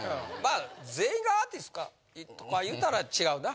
あ全員がアーティスかとか言うたら違うな。